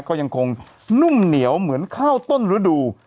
ก็ยังคงนุ่มเหนียวเหมือนข้าวต้นฤดู